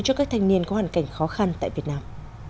cho các thanh niên có hoàn cảnh khó khăn tại việt nam